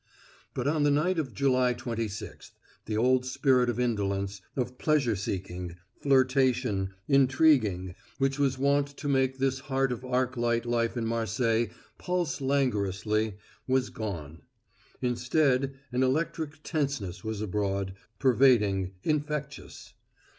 But on the night of July twenty sixth the old spirit of indolence, of pleasure seeking, flirtation, intriguing, which was wont to make this heart of arc light life in Marseilles pulse languorously, was gone. Instead, an electric tenseness was abroad, pervading, infectious.